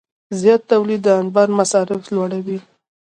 زیات تولید د انبار مصارف لوړوي.